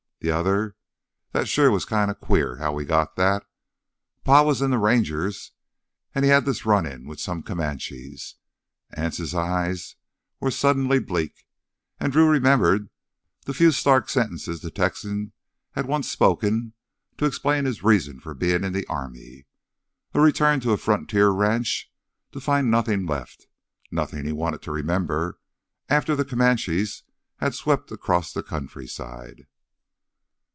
T'other—that sure was kinda queer how we got that. Pa was in th' Rangers, an' he had this run in with some Comanches—" Anse's eyes were suddenly bleak, and Drew remembered the few stark sentences the Texan had once spoken to explain his reason for being in the army—a return to a frontier ranch to find nothing left, nothing he wanted to remember, after the Comanches had swept across the countryside.